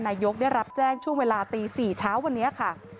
นายกได้รับแจ้งช่วงเวลาตี๔เช้าวันนี้ค่ะ